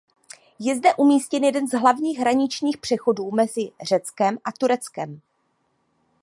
Je zde umístěn jeden z hlavních hraničních přechodů mezi Řeckem a Tureckem.